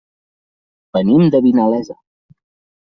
Venim de Vinalesa.